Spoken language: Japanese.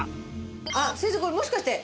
あっ先生これもしかして。